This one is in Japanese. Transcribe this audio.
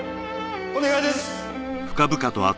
お願いです！